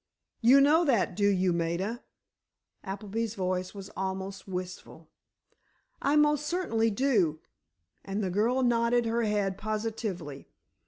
"You know that, do you, Maida?" Appleby's voice was almost wistful. "I most certainly do," and the girl nodded her head positively.